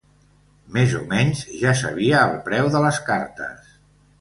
Més o menys, ja sabia el preu de les cartes.